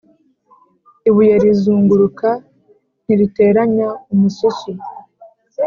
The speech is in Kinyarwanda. ibuye rizunguruka ntiriteranya umususu